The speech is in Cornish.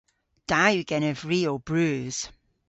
Da yw genev ri ow breus.